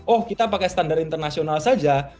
oh kita pakai standar internasional saja